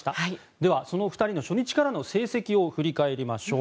では、その２人の初日からの成績を振り返りましょう。